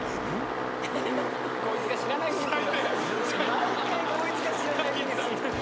毎回こいつが知らないフリする。